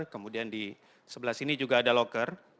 kemudian di sebelah sini juga ada loker